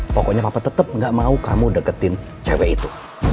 pokoknya papa tetap gak mau kamu deketin cewek itu